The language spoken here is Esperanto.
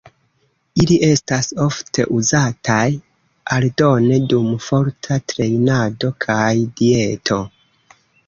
Ili estas ofte uzataj aldone dum forta trejnado kaj dieto.